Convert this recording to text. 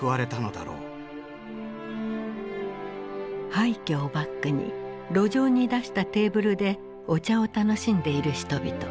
廃虚をバックに路上に出したテーブルでお茶を楽しんでいる人々。